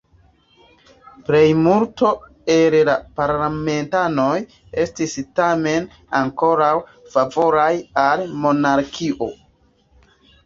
Plejmulto el la parlamentanoj estis tamen ankoraŭ favoraj al monarkio.